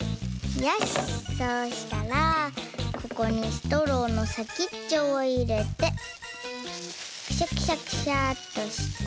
よしそうしたらここにストローのさきっちょをいれてクシャクシャクシャッとして。